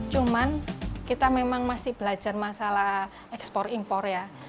cuman kita memang masih belajar masalah ekspor impor ya